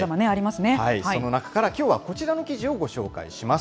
その中から、きょうはこちらの記事をご紹介します。